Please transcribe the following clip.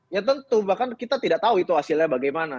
ya tentu bahkan kita tidak tahu itu hasilnya bagaimana